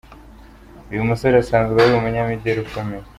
Uyu musore asanzwe ari umunyamideli ukomeye.